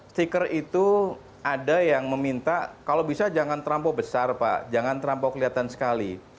stiker itu ada yang meminta kalau bisa jangan terlampau besar pak jangan terlampau kelihatan sekali